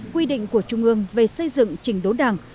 quy định của trung ương về xây dựng trình đốn đảng